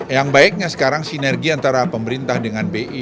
yang baiknya sekarang sinergi antara pemerintah dengan bi